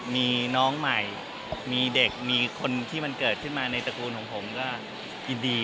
มีน้องใหม่มีเด็กมีคนที่มันเกิดขึ้นมาในตระกูลของผมก็ยินดี